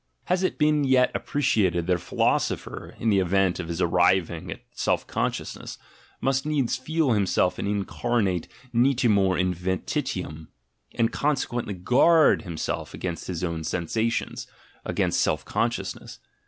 Has it been yet appreciated that a phi losopher, in the event of his arriving at self consciousness, must needs feel himself an incarnate "nitimur in vetitum," — and consequently guard himself against "his own sen sations," against self consciousness?